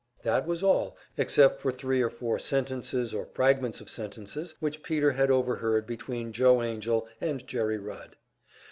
That was all, except for three or four sentences or fragments of sentences which Peter had overheard between Joe Angell and Jerry Rudd.